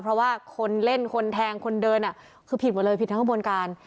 เพราะว่าคนเล่นคนแทงคนเดินคือผิดหมดเลยผิดทั้งกระบวนการ